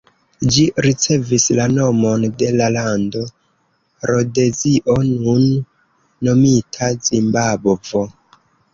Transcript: Ĝi ricevis la nomon de la lando Rodezio, nun nomita Zimbabvo.